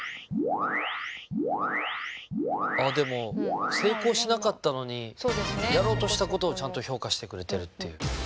あっでも成功しなかったのにやろうとしたことをちゃんと評価してくれてるっていう。